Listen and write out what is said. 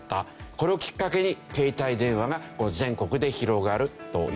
これをきっかけに携帯電話が全国で広がるというわけですね。